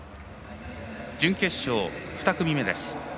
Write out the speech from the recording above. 準決勝２組目です。